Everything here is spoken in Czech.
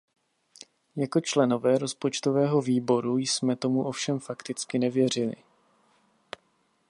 Jako členové Rozpočtového výboru jsme tomu ovšem fakticky nevěřili.